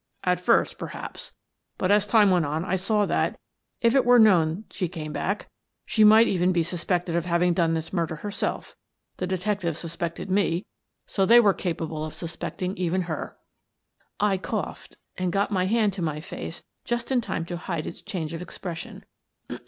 "At first, perhaps, but as time went on I saw that, if it were known she came back, she might even be suspected of having done this murder herself. The detectives suspected me, so they were capable of suspecting even her." I coughed and got my hand to my face just in time to hide its change of expression.